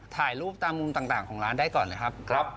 ถ่ายรูปตามมุมต่างของร้านได้ก่อนเลยครับ